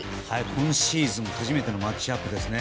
今シーズン初めてのマッチアップですね。